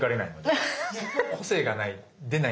個性が出ない。